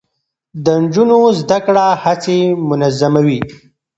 د نجونو زده کړه هڅې منظموي.